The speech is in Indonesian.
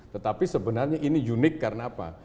tetapi sebenarnya ini unik karena apa